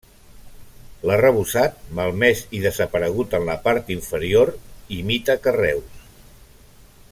L'arrebossat, malmès i desaparegut en la part inferior, imita carreus.